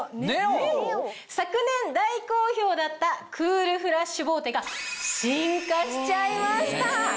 昨年大好評だったクールフラッシュボーテが進化しちゃいました！